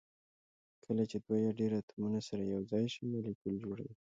کله چې دوه یا ډیر اتومونه سره یو ځای شي مالیکول جوړوي